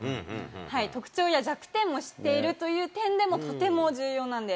特徴や弱点も知っているという点でも、とても重要なんです。